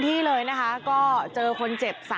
ตายหนึ่ง